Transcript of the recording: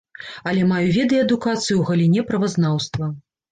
Але маю веды і адукацыю ў галіне правазнаўства.